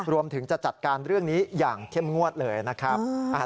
รวมถึงจะจัดการเรื่องนี้อย่างเข้มงวดเลยนะครับ